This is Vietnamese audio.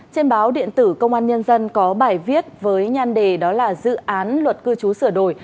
trên báo điện tử công an nhân dân có bài viết với nhan đề đó là dự án luật cư trú sửa đổi